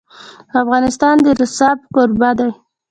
افغانستان د رسوب کوربه دی.